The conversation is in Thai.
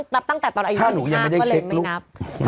ตั้งแต่ตอนอายุ๒๕เริ่มไม่นับ